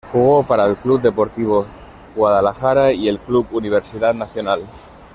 Jugó para el Club Deportivo Guadalajara y el Club Universidad Nacional.